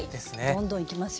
どんどんいきますよ。